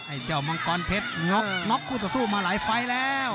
ไอ้เจ้ามังกรเพชรง็อกน็อกคู่ต่อสู้มาหลายไฟล์แล้ว